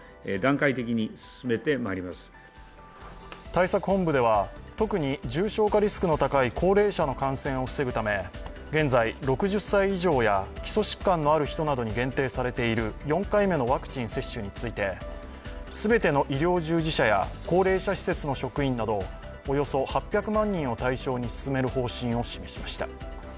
対策本部では、特に重症化リスクの高い高齢者の感染を防ぐため現在６０歳以上や基礎疾患のある人などに限定されている４回目のワクチン接種について、全ての医療従事者や高齢者施設の職員などおよそ８００万人を対象に進める方針を示しました。